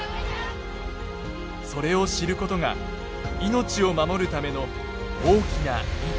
それを知ることが命を守るための大きな一歩です。